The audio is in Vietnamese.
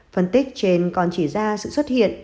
phân tích trên còn chỉ ra sự xuất hiện